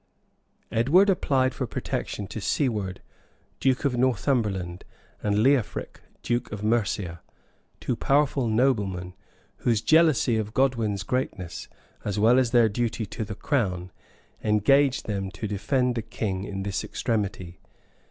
] Edward applied for protection to Siward, duke of Northumberland, and Leofric, duke of Mercia, two powerful noblemen, whose jealousy of Godwin's greatness, as well as their duty to the crown, engaged them to defend the king in this extremity.